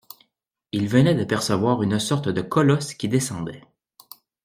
Il venait d’apercevoir une sorte de colosse qui descendait.